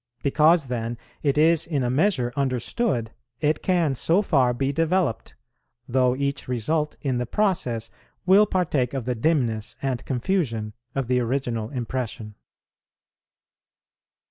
Because then it is in a measure understood, it can so far be developed, though each result in the process will partake of the dimness and confusion of the original impression.